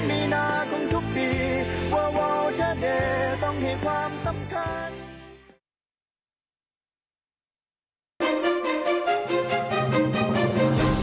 ๒๒มีนาคมทุกปีวาววาวชะเดต้องมีความสำคัญ